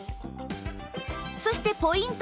そしてポイント